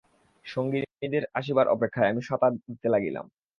সঙ্গিনীদের আসিবার অপেক্ষায় আমি সাঁতার দিতে লাগিলাম।